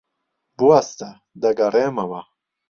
بوەستە. دەگەڕێمەوە.